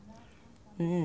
うん。